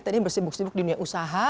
tadi yang bersibuk sibuk di dunia usaha